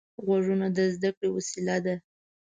غوږونه د زده کړې وسیله ده